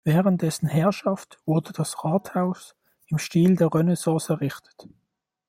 Während dessen Herrschaft wurde das Rathaus im Stil der Renaissance errichtet.